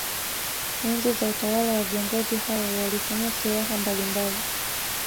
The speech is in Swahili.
Enzi za utawala wa viongozi hao walitumia silaha mbalimbali